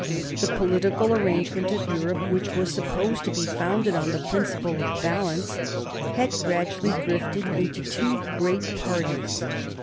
The political arrangement of Europe, which was supposed to be founded on the principle of balance, had gradually drifted into two great parties.